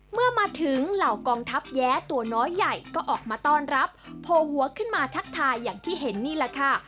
เมื่อมาถึงเหล่ากองทัพแย้ตัวน้อยใหญ่ก็ออกมาต้อนรับโผล่หัวขึ้นมาทักทายอย่างที่เห็นนี่แหละค่ะ